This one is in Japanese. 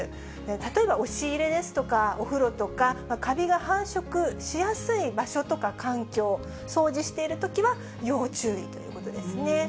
例えば押し入れですとか、お風呂とか、カビが繁殖しやすい場所とか環境、掃除しているときは要注意ということですね。